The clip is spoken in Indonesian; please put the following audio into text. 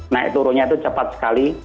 naik turunnya itu cepat sekali